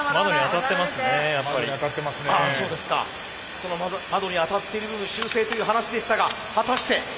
その窓に当たってる部分修正という話でしたが果たして。